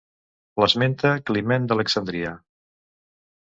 L'esmenta Climent d'Alexandria.